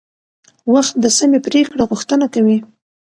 وخت د سمې پریکړې غوښتنه کوي